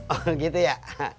oh gitu ya